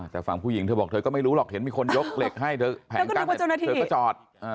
แต่ฝั่งผู้หญิงเธอบอกเธอก็ไม่รู้หรอกเห็นมีคนยกเหล็กให้เธอแผงกั้นเธอก็จอด